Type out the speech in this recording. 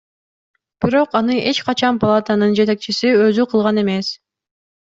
Бирок аны эч качан палатанын жетекчиси өзү кылган эмес.